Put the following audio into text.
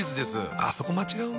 あっそこ間違うんだ。